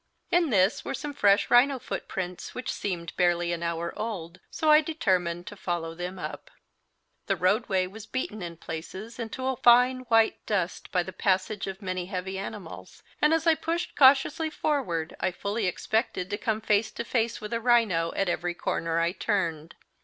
In this were some fresh rhino footprints which seemed barely an hour old, so I determined to follow them up. The roadway was beaten in places into a fine white dust by the passage of many heavy animals; and as I pushed cautiously forward I fully expected to come face to face with a rhino at every corner I turned.